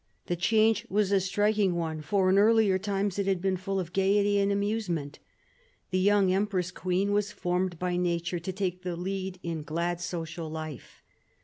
The change was a striking one ; for in earlier times it had been full of gaiety and amusement. The young empress queen was formed by nature to take the lead in glad social life.